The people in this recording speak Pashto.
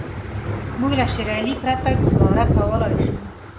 موږ له شېر علي پرته ګوزاره کولای شو.